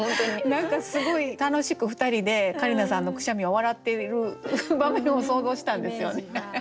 何かすごい楽しく２人で桂里奈さんのくしゃみを笑っている場面を想像したんですよね。